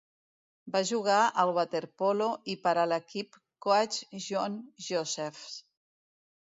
Va jugar al waterpolo i per a l'equip Coach John Josephs.